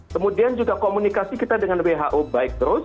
kemudian juga komunikasi kita dengan who baik terus